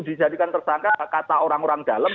dijadikan tersangka kata orang orang dalam